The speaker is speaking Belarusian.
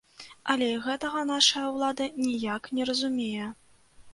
Але і гэтага нашая ўлада неяк не разумее.